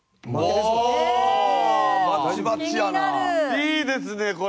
いいですねこれ。